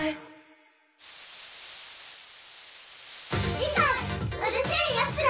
次回『うる星やつら』